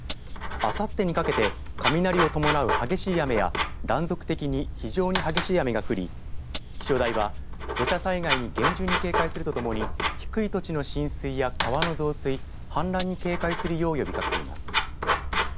あさってにかけて雷を伴う激しい雨や断続的に非常に激しい雨が降り気象台は土砂災害に厳重に警戒するとともに低い土地の浸水や川の増水氾濫に警戒するよう呼びかけています。